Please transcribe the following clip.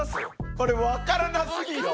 これ分からなすぎて。